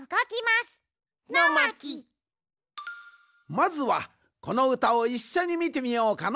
まずはこのうたをいっしょにみてみようかの。